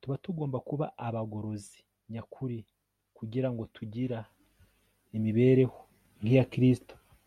tuba tugomba kuba abagorozi nyakuri kugira ngo tugira imibereho nk'iya kristo